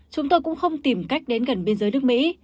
chúng tôi cũng không tìm cách đến gần biên giới nước mỹ